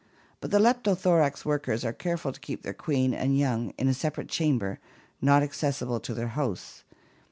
But the Leptothorax workers are careful to keep their queen and young in a separate chamber, not accessible to their hosts.